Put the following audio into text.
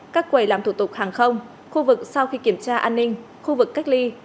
các quầy làm thủ tục hàng không khu vực sau khi kiểm tra an ninh khu vực cách ly